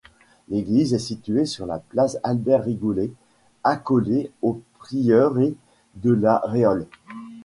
L'église est située sur la place Albert-Rigoulet, accolée au prieuré de La Réole.